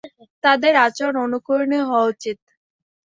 তাদের আচরণ অনুকরণীয় হওয়া উচিত।